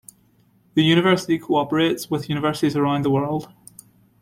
The university cooperates with universities around the world.